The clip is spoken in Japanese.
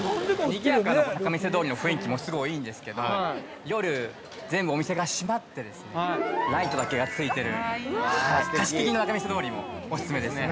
◆にぎやかな仲見世通りの雰囲気もすごいいいんですけど夜、全部お店が閉まってライトだけがついている貸し切りの仲見世通りもおすすめですね。